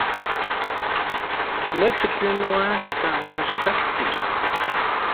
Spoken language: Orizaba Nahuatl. Nochi tlen noaxka moaxkatsin.